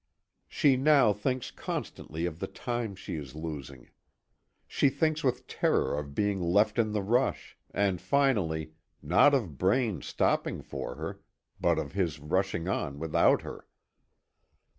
She now thinks constantly of the time she is losing. She thinks with terror of being left in the rush, and finally not of Braine stopping for her, but of his rushing on without her.